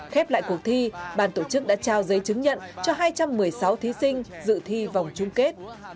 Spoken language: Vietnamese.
khép lại cuộc thi bàn tổ chức đã trao giấy chứng nhận cho hai trăm một mươi sáu thí sinh dự thi vòng chung kết